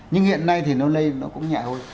nhưng hiện nay thì nó lây nó cũng nhẹ thôi